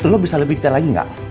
lo bisa lebih ceritain lagi gak